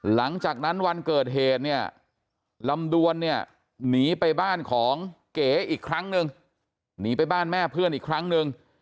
หลังจากนั้นวันเกิดเหตุเนี่ยลำดวนเนี่ยหนีไปบ้านของเก๋อีกครั้งนึงหนีไปบ้านแม่เพื่อนอีกครั้งหนึ่ง